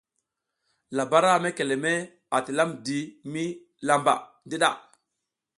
Labara mekeme a tilamdimi lamba ndiɗa.